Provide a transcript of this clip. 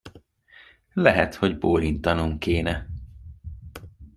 Lehet, hogy bólintanom kéne.